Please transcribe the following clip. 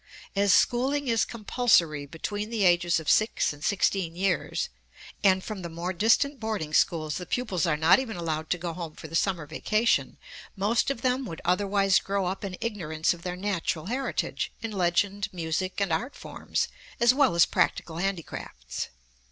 As schooling is compulsory between the ages of six and sixteen years, and from the more distant boarding schools the pupils are not even allowed to go home for the summer vacation, most of them would otherwise grow up in ignorance of their natural heritage, in legend, music, and art forms as well as practical handicrafts.